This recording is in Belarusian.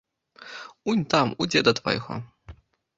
Унь там, у дзеда твайго.